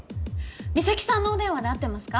美咲さんのお電話で合ってますか？